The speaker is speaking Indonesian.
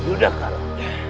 itu dah kalah